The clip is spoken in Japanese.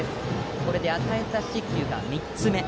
これで与えた四死球が３つ目。